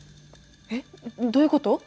えっ？どういうこと？